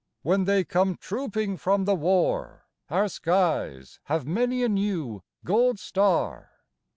When they come trooping from the war Our skies have many a new gold star.